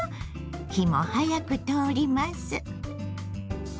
火も早く通ります。